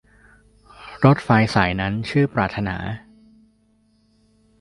รถไฟสายนั้นชื่อปรารถนา